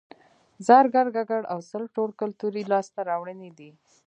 زرګر ګګر او سل ټول کولتوري لاسته راوړنې دي